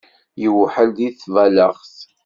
Iwḥel di tballaɣt.